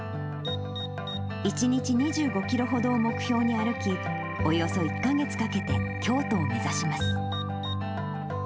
１日２５キロほどを目標に歩き、およそ１か月かけて京都を目指します。